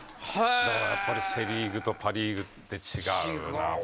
だからやっぱりセ・リーグとパ・リーグって違う。